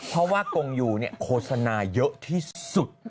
เพราะว่ากงยูโฆษณาเยอะที่สุด